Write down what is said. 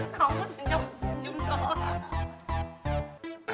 kamu senyum senyum doang